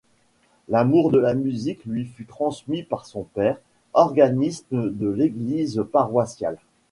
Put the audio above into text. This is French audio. L'amour de la musique lui fut transmis par son père, organiste de l'église paroissiale.